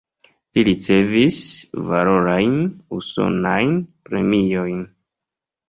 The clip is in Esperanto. Li ricevis valorajn usonajn premiojn.